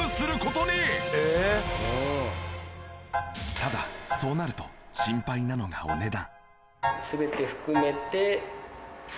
ただそうなると心配なのがお値段。